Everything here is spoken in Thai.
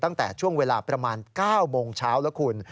ตั้งแต่ช่วงเวลาประมาณ๙โมงเช้าแล้วคุณ